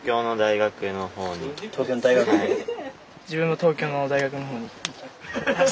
自分も東京の大学の方に。